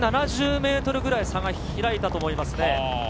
１７０ｍぐらい差が開いたと思いますね。